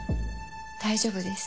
大丈夫です。